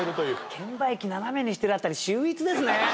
券売機斜めにしてるあたり秀逸ですね。